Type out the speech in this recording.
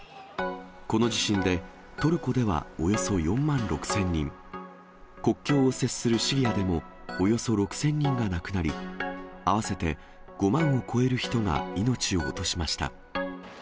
この地震で、トルコではおよそ４万６０００人、国境を接するシリアでもおよそ６０００人が亡くなり、合わせて５万を超える人が命を落としました。